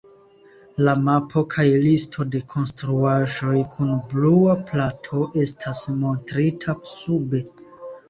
La mapo kaj listo de konstruaĵoj kun Blua Plato estas montrita sube.